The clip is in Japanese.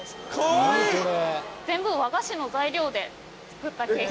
全部和菓子の材料で作ったケーキ。